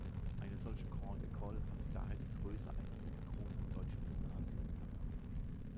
Eine solche „Grande École“ hat daher die Größe eines mittelgroßen deutschen Gymnasiums.